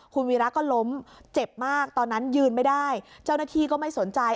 คุณวีระก็ล้มเจ็บมากตอนนั้นยืนไม่ได้เจ้าหน้าที่ก็ไม่สนใจ